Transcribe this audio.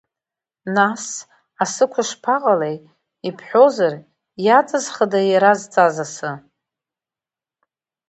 Нас, Асықәа шԥаҟалеи, ибҳәозар, иаҵызхыда иара зҵаз асы?